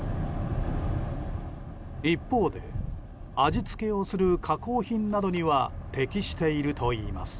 一方で味付けをする加工品などには適しているといいます。